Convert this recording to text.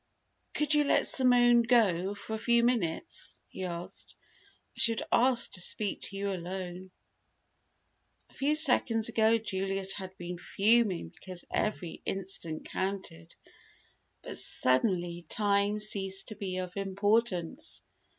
"Could you let Simone go for a few minutes?" he asked. "I should like to speak to you alone." A few seconds ago Juliet had been fuming because every instant counted. But suddenly time ceased to be of importance.